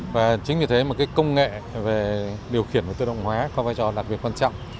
và chính vì thế mà công nghệ về điều khiển và tự động hóa có vai trò đặc biệt quan trọng